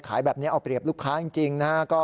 ขายแบบนี้เบียบลูกค้าจริง